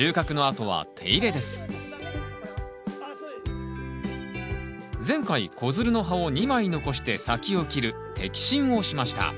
前回子づるの葉を２枚残して先を切る摘心をしました。